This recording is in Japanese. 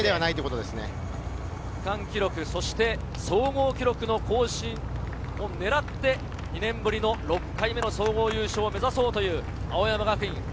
区間記録そして総合記録の更新を狙って、２年ぶり６回目の総合優勝を目指そうという青山学院。